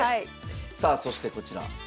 さあそしてこちら。